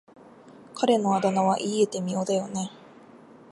彼のあだ名は言い得て妙だよね。